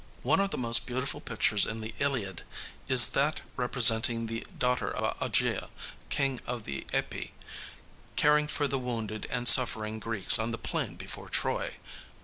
One of the most beautiful pictures in the Iliad is that representing the daughter of Augea, King of the Epei, caring for the wounded and suffering Greeks on the plain before Troy.